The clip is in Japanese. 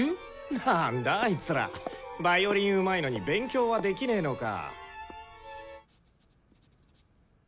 なんだあいつらヴァイオリンうまいのに勉強はできねのか。